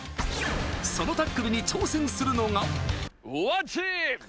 そのタックルに挑戦するのが。